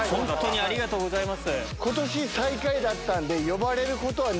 ありがとうございます。